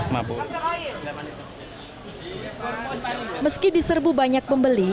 meski di serbu banyak pembeli